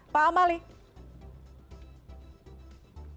pak amali kalau melihat dari seleksi